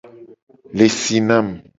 Le si nam.